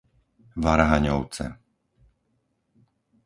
Varhaňovce